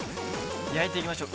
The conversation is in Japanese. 焼いていきましょう。